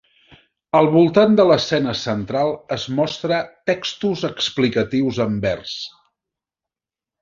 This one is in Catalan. Al voltant de l'escena central es mostra textos explicatius en vers.